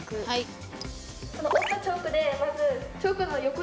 はい。